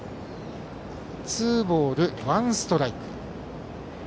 ツーボール、ワンストライク。